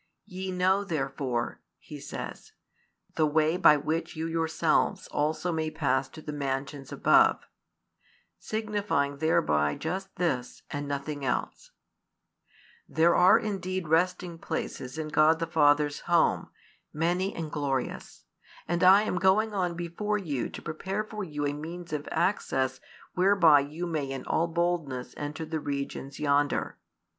"Ye know therefore," He says, "the way by which you yourselves also may pass to the mansions above;" signifying thereby just this, and nothing else: "There are indeed resting places in God the Father's home, many and glorious; and I am going on before you to prepare for you a means of access whereby you may in all boldness enter the regions yonder.